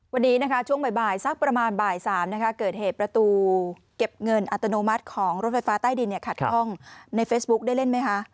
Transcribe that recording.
วันนี้นะคะช่วงบ่ายสักประมาณบ่าย๓เกิดเหตุประตูเก็บเงินอัตโนมัติของรถไฟฟ้าใต้ดินขัดข้องในเฟซบุ๊คได้เล่นไหมคะ